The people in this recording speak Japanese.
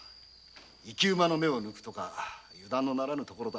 生き馬の目を抜くとか油断のならぬ所だ。